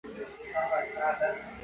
ځمکه د افغانانو ژوند اغېزمن کوي.